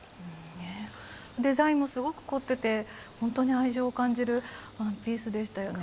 デザインもすごく凝ってて本当に愛情を感じるワンピースでしたよね。